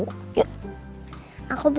aku belum ngantuk ncus